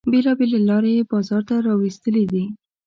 بیلابیلې لارې یې بازار ته را ویستلې دي.